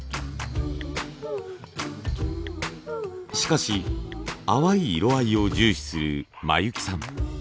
しかし淡い色合いを重視する真雪さん。